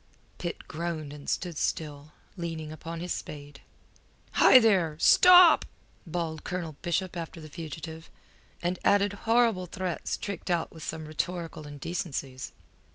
Pitt groaned and stood still, leaning upon his spade. "Hi, there! Stop!" bawled Colonel Bishop after the fugitive, and added horrible threats tricked out with some rhetorical indecencies.